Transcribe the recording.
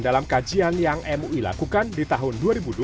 dalam kajian yang mui lakukan di tahun dua ribu dua puluh